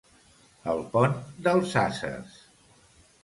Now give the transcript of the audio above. El pont dels ases.